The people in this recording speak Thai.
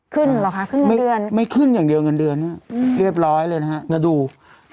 ขึ้นแล้วขึ้นไม่ขึ้นอย่างเดียวเงินเดือนเรียบร้อยเลยนะครับ